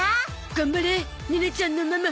頑張れネネちゃんのママ